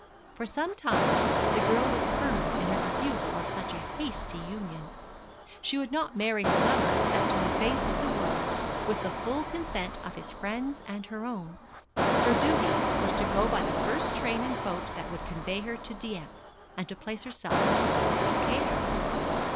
For some time the girl was firm in her refusal of such a hasty union. She would not marry her lover except in the face of the world, with the full consent of his friends and her own. Her duty was to go by the first train and boat that would convey her to Dieppe, and to place herself in her father's care.